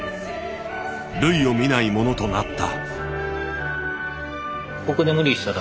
類を見ないものとなった。